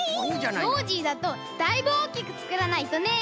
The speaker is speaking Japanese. ノージーだとだいぶおおきくつくらないとね！